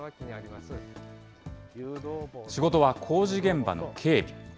仕事は工事現場の警備。